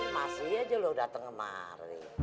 motivasi aja lo dateng kemari